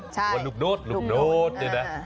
วันนุกโน๊ตเลยนะ